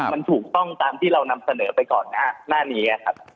มันถูกต้องตามที่เรานำเสนอไปก่อนหน้านี้ครับ